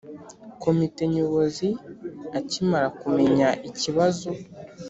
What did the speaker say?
Komite Nyobozi Akimara kumenya ikibazo